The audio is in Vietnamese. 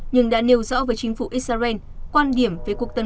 nhưng đã nêu rõ với chính phủ israel quan điểm về cuộc tấn